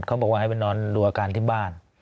เขาบอกว่าให้ไปนอนดูอาการที่บ้าน